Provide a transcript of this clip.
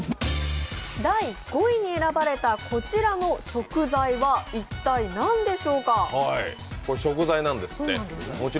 第５位に選ばれたこちらの食材は一体、何でしょうか？